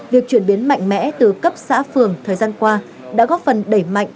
việc chuyển biến mạnh mẽ từ cấp xã phường thời gian qua đã góp phần đẩy mạnh